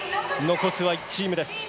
残すは１チームです。